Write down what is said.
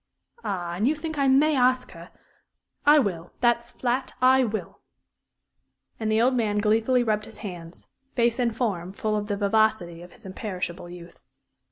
Ah, and you think I may ask her? I will that's flat I will!" And the old man gleefully rubbed his hands, face and form full of the vivacity of his imperishable youth.